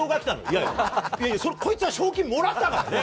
いやいや、こいつは賞金もらったからね。